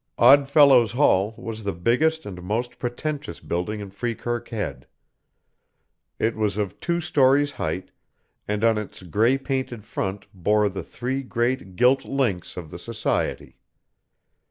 Odd Fellows' Hall was the biggest and most pretentious building in Freekirk Head. It was of two stories height, and on its gray painted front bore the three great gilt links of the society.